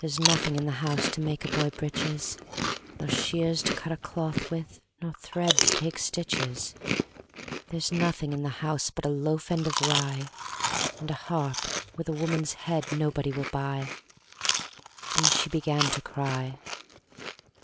"There's nothing in the house To make a boy breeches, Nor shears to cut a cloth with Nor thread to take stitches. "There's nothing in the house But a loaf end of rye, And a harp with a woman's head Nobody will buy," And she began to cry.